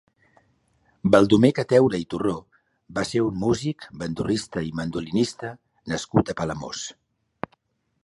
Baldomer Cateura i Turró va ser un músic, bandurrista i mandolinista nascut a Palamós.